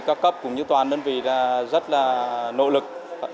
cho cấp cũng như toàn đơn vị là rất là nỗ lực